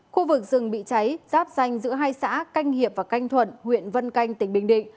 khu vực rừng bị cháy giáp danh giữa hai xã canh hiệp và canh thuận huyện vân canh tỉnh bình định